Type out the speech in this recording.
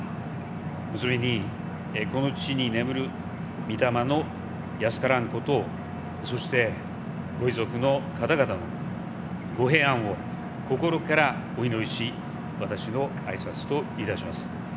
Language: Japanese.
結びに、この地に眠る御霊の安らかならんことをそして、御遺族の方々の御平安を心からお祈りし私のあいさつといたします。